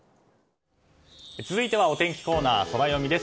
続いてはお天気コーナー、ソラよみです。